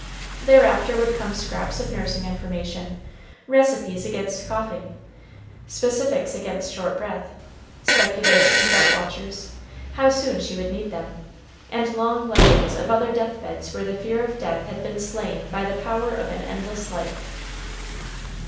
Thereafter would come scraps of nursing information, recipes against coughing, specifics against short breath, speculations about watchers, how soon she would need them, and long legends of other death beds where the fear of death had been slain by the power of an endless life.